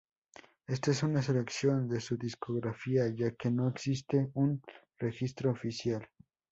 Esta es una selección de su discografía, ya que no existe un registro oficial.